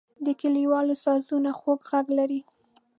د کلیوالو سازونه خوږ غږ لري.